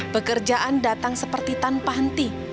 pekerjaan datang seperti tanpa henti